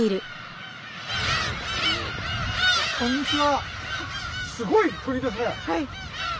こんにちは。